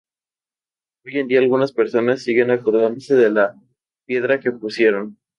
Hoy en día algunas personas siguen acordándose de la piedra que pusieron.